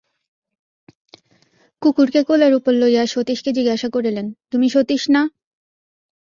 কুকুরকে কোলের উপর লইয়া সতীশকে জিজ্ঞাসা করিলেন, তুমি সতীশ না?